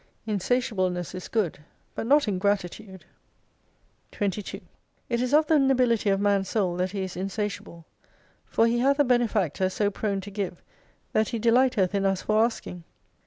Insatiableness is good, but not ingratitude. 22 It is of the nobility of man's soul that he is insatiable. !For he hath a Benefactor so prone to give, that He de lighteth in us for asking.